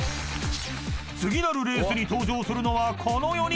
［次なるレースに登場するのはこの４人］